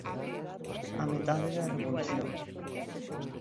A metade da revolución.